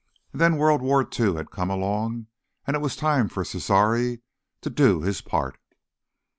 And then World War II had come along, and it was time for Cesare to do his part.